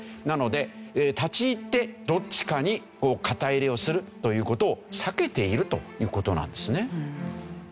なので立ち入ってどっちかに肩入れをするという事を避けているという事なんですね。